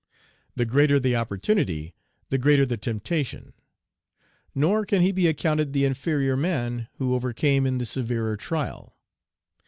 The greater the opportunity, the greater the temptation; nor can he be accounted the inferior man who overcame in the severer trial.